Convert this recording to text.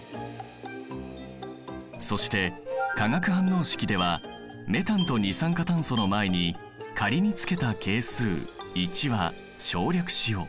そして化学反応式ではメタンと二酸化炭素の前に仮につけた係数１は省略しよう。